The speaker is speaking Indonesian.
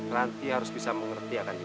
ranti harus bisa mengerti akan hidup